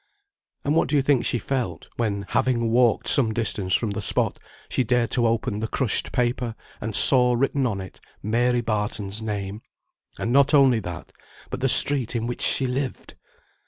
And what do you think she felt, when, having walked some distance from the spot, she dared to open the crushed paper, and saw written on it Mary Barton's name, and not only that, but the street in which she lived!